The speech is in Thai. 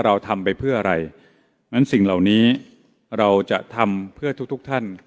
เราทำไปเพื่ออะไรนั้นสิ่งเหล่านี้เราจะทำเพื่อทุกทุกท่าน